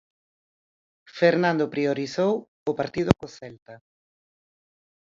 Fernando priorizou o partido co Celta.